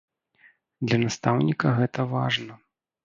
Для настаўніка гэта важна.